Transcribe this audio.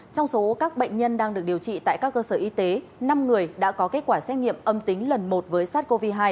trong số các bệnh nhân đang được điều trị tại các cơ sở y tế năm người đã có kết quả xét nghiệm âm tính lần một với sars cov hai